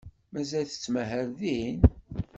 Mazal tettmahal din?